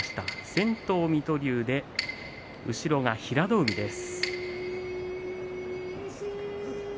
先頭、水戸龍後ろが平戸海です。